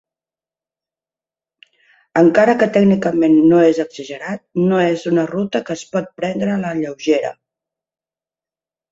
Encara que tècnicament no és exagerat, no és una ruta que es pot prendre a la lleugera.